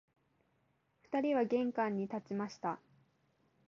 二人は玄関に立ちました